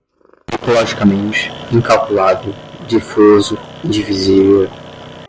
ecologicamente, incalculável, difuso, indivisível